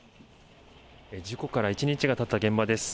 事故から１日がたった現場です。